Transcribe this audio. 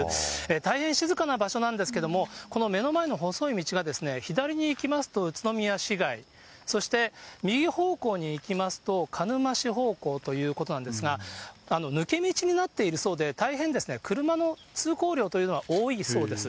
大変静かな場所なんですけれども、この目の前の細い道が左に行きますと、宇都宮市街、そして右方向に行きますと、鹿沼市方向ということなんですが、抜け道になっているそうで、大変車の通行量というのは多いそうです。